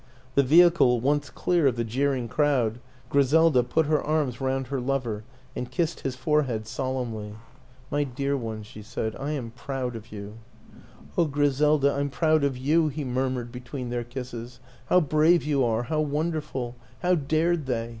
The vehicle once clear of the jeering crowd, Gri selda put her arms round her lover and kissed his forehead solemnly. " My dear one," she said, " I am proud of you." " Oh, Griselda, I'm proud of you," he mur mured between their kisses. " How brave you are how wonderful how dared they!